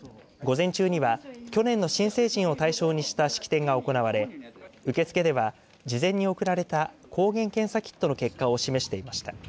午前中には去年の新成人を対象にした式典が行われ受付では事前に送られた抗原検査キットの結果を示していました。